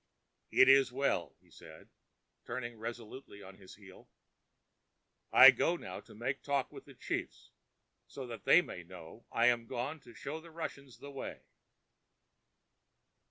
"It is well," he said, turning resolutely on his heel. "I go now to make talk with the chiefs, so that they may know I am gone to show the Russians the way."